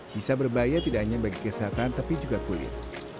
bisa berbahaya tidak hanya bagi kesehatan tapi juga kulit